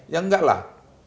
ya enggak lah